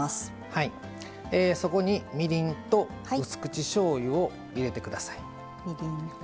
そこにみりんとうす口しょうゆを入れてください。